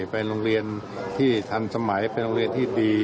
เป็นโรงเรียนที่ทันสมัยเป็นโรงเรียนที่ดี